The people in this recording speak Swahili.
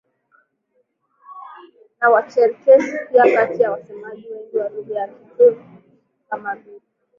na Wacherkesi pia kati ya wasemaji wengi wa Lugha za Kiturki kama vile